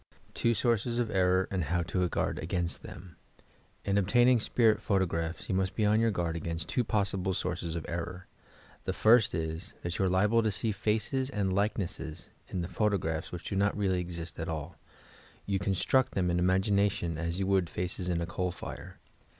TWO SOURCES OF ERKOR, Am> HOW TO OUARD A0AIN8T TBEU In obtaining spirit photographs you must be on your guard against two possible sources of error. The first is, that you are liable to see faces and likenesses in the photograph which do not really exist at all — you con struct them in imagination as you would faces in a coal fire.